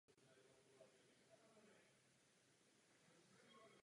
Byl komorním malířem hraběte Františka Václava z Kolowrat.